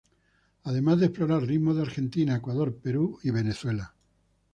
Además de explorar ritmos de Argentina, Ecuador, Perú y Venezuela.